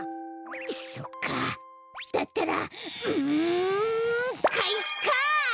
そっかあだったらうん！かいか！